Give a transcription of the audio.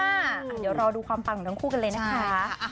เดี๋ยวรอดูความปังของทั้งคู่กันเลยนะคะ